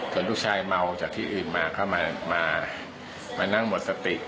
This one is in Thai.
ส่วนลูกชายเมาจากที่อื่นมาก็มานั่งหมดสติ